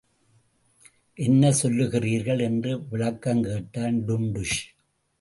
என்ன சொல்லுகிறீர்கள்? என்று விளக்கங் கேட்டான் டுன்டுஷ்.